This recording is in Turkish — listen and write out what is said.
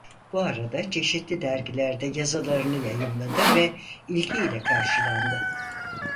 Bu arada çeşitli dergilerde yazılarını yayımlandı ve ilgi ile karşılandı.